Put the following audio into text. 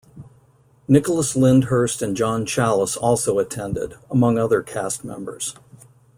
Nicholas Lyndhurst and John Challis also attended among other cast members.